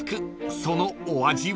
そのお味は？］